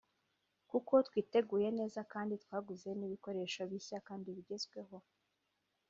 kuko twiteguye neza kandi twaguze n’ibikoresho bishya kandi bigezweho